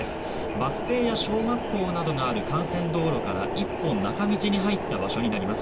バス停や小学校などがある幹線道路から１本、中道に入った場所になります。